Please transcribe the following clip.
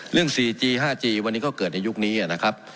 เรื่องสี่จีห้าจีวันนี้ก็เกิดในยุคนี้อ่ะนะครับ